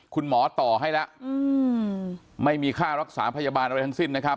คุณหมอต่อให้แล้วไม่มีค่ารักษาพยาบาลอะไรทั้งสิ้นนะครับ